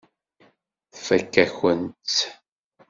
Tfakk-akent-t.